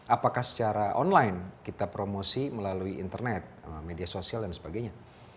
apakah secara online kita promosi melalui internet media sosial dan sebagainya